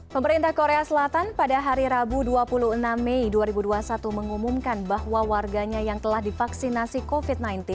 pemerintah korea selatan pada hari rabu dua puluh enam mei dua ribu dua puluh satu mengumumkan bahwa warganya yang telah divaksinasi covid sembilan belas